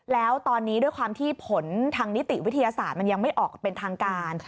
แล้วตอนนี้ด้วยความที่ผลทางนิติวิทยาศาสตร์มันยังไม่ออกเป็นทางการ